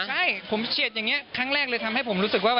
ใช่ผมเฉียดอย่างนี้ครั้งแรกเลยทำให้ผมรู้สึกว่า